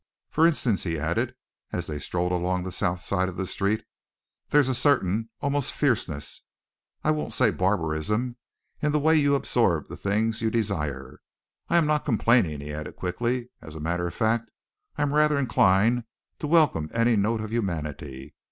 For instance," he added, as they strolled along the south side of the street, "there is a certain almost fierceness I won't say barbarism in the way you absorb the things you desire. I am not complaining," he added quickly. "As a matter of fact, I am rather inclined to welcome any note of humanity.